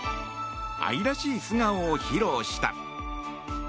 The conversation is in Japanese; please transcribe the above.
愛らしい素顔を披露した。